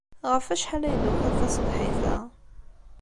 Ɣef wacḥal ay d-tukiḍ taṣebḥit-a?